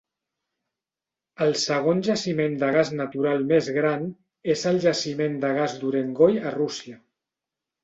El segon jaciment de gas natural més gran és el jaciment de gas d'Urengoi a Russia.